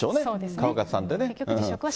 川勝さんってね。